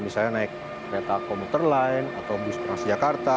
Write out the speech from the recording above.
misalnya naik kereta komuter line atau bus transjakarta